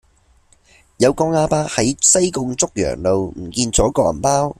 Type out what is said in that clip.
有個亞伯喺西貢竹洋路唔見左個銀包